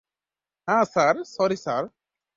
হ্যাঁ sir, sorry sir.